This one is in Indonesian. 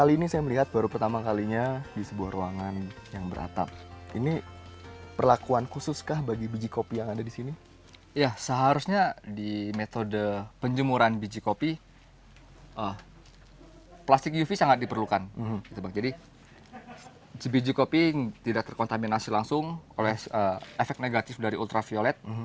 ini tidak terkontaminasi langsung oleh efek negatif dari ultraviolet